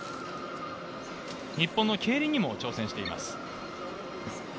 日本の競輪にも挑戦しています。